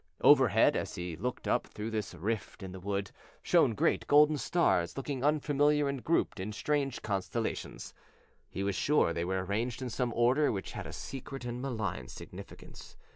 Over head, as he looked up through this rift in the wood, shone great golden stars looking unfamiliar and grouped in strange constellations. He was sure they were arranged in some order which had a secret and malign significance.